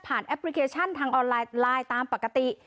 ผ่านแอปพลิเคชันทางออนไลน์ตามปกติ